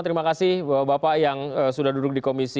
terima kasih bapak bapak yang sudah duduk di komisi